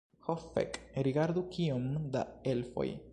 Ho, fek' rigardu kiom da elfoj